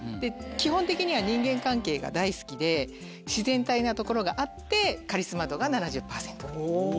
基本的には人間関係が大好きで自然体なところがあってカリスマ度が７０％。